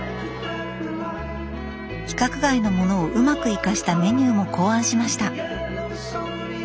規格外のものをうまく生かしたメニューも考案しました。